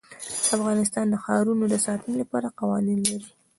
افغانستان د ښارونو د ساتنې لپاره قوانین لري.